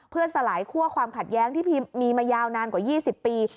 เพื่อสลายคั่วความขัดแย้งที่มีมายาวนานกว่า๒๐ปี